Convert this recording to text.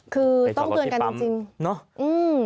คือต้องเตือนกันจริงเนาะ